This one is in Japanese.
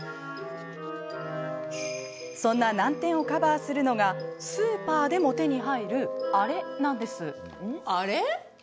そんな難点をカバーするのがスーパーでも手に入るアレなんです。